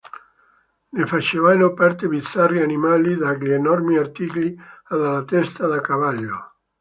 Ne facevano parte bizzarri animali dagli enormi artigli e dalla testa da cavallo.